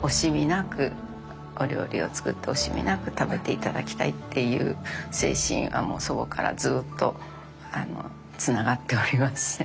惜しみなくお料理を作って惜しみなく食べていただきたいっていう精神はそこからずっとつながっております。